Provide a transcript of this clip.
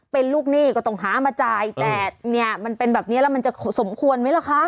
เป็นลูกหนี้ก็ต้องหามาจ่ายแต่เนี่ยมันเป็นแบบนี้แล้วมันจะสมควรไหมล่ะคะ